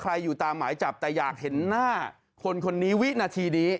อยู่ตามหมายจับแต่อยากเห็นหน้าคนคนนี้วินาทีนี้